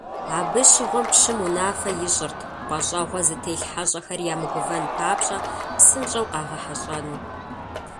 Абы щыгъуэм пщым унафэ ищӀырт - пӏащӏэгъуэ зытелъ хьэщӀэхэр ямыгувэн папщӏэ псынщӀэу къагъэхьэщӏэну.